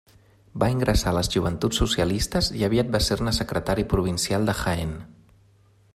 Va ingressar a les Joventuts Socialistes i aviat va ser-ne secretari provincial de Jaén.